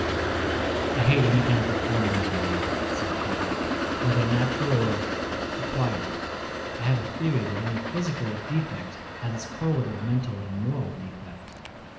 "I hate any kind of deformity in a woman," said King, "whether natural or acquired. I have a theory that any physical defect has its correlative mental and moral defect."